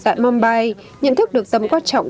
tại mumbai nhận thức được tấm quan trọng